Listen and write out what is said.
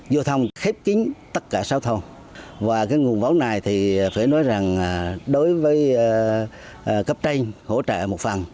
vô thông khép kính tất cả xã thông và cái nguồn vóng này thì phải nói rằng đối với cấp tranh hỗ trợ một phần